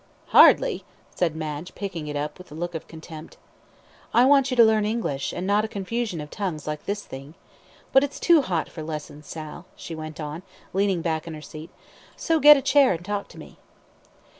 "Hardly!" said Madge, picking it up, with a look of contempt. "I want you to learn English, and not a confusion of tongues like this thing. But it's too hot for lessons, Sal," she went on, leaning back in her seat, "so get a chair and talk to me."